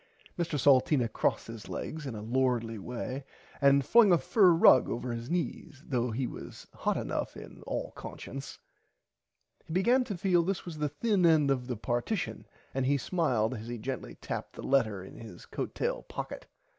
Mr Salteena crossed his legs in a lordly way and flung a fur rug over his knees though he was hot enough in all consciunce. He began to feel this was the thin end of the partition and he smiled as he gently tapped the letter in his coat tail pocket.